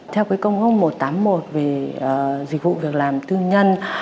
theo công hương một trăm tám mươi một về dịch vụ việc làm tư nhân